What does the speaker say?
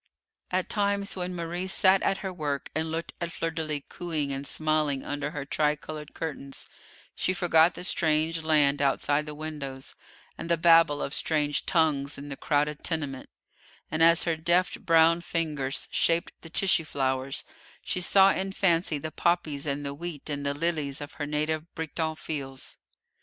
At times, when Marie sat at her work and looked at Fleur de lis cooing and smiling under her tri coloured curtains, she forgot the strange land outside the windows, and the Babel of strange tongues in the crowded tenement, and as her deft, brown fingers shaped the tissue flowers, she saw in fancy the poppies and the wheat and the lilies of her native Breton fields.